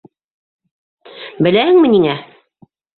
Беләһеңме ниңә?